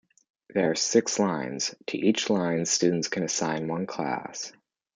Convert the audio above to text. There are six lines; to each line students can assign one class.